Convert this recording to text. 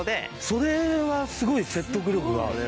それはすごい説得力がある。